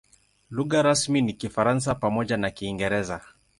Lugha rasmi ni Kifaransa pamoja na Kiingereza.